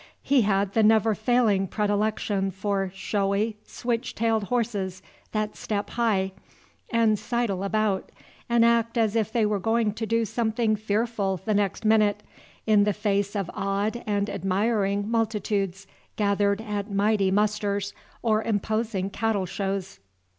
He had the never failing predilection for showy switch tailed horses that step high, and sidle about, and act as if they were going to do something fearful the next minute, in the face of awed and admiring multitudes gathered at mighty musters or imposing cattle shows.